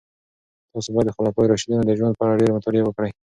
تاسو باید د خلفای راشدینو د ژوند په اړه ډېرې مطالعې وکړئ.